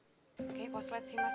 kayaknya kok harus liat sih mas